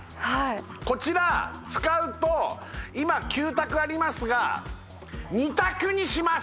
こちら使うと今９択ありますが２択にします！